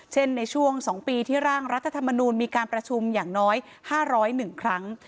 ในช่วง๒ปีที่ร่างรัฐธรรมนูลมีการประชุมอย่างน้อย๕๐๑ครั้ง